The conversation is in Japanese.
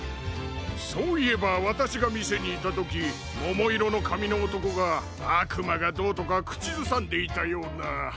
そういえばわたしがみせにいたときももいろのかみのおとこがあくまがどうとかくちずさんでいたような。